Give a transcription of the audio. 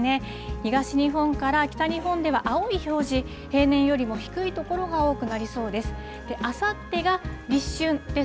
東日本から北日本では青い表示、平年よりも低い所が多くなりそうです。